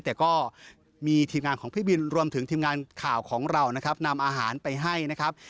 แต่ก็มีทีมงานของพี่บินรวมถึงทีมงานข่าวของเรานะครับนำอาหารไปให้นะครับ